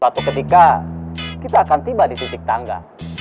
suatu ketika kita akan tiba di titik tangga